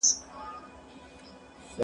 علم ټولنيزه پوهه ده.